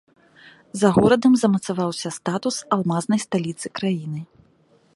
За горадам замацаваўся статус алмазнай сталіцы краіны.